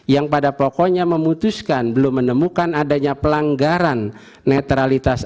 yang pada pokoknya memutuskan belum menemukan adanya pelanggaran netralitas